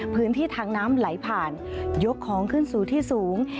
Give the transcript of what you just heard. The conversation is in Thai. พื้นที่ทางน้ำไหลผ่านยกของขึ้นสู่ที่สูง